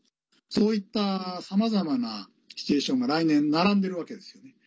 そういったさまざまなシチュエーションが来年、並んでいるわけですよね。